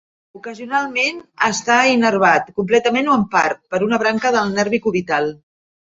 Ocasionalment està innervat, completament o en part, per una branca del nervi cubital.